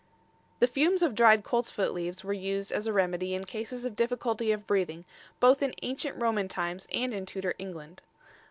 The fumes of dried coltsfoot leaves were used as a remedy in cases of difficulty of breathing, both in ancient Roman times and in Tudor England.